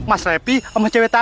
aduh gimana ini